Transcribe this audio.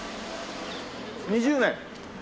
２０年？